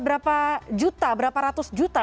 berapa juta berapa ratus juta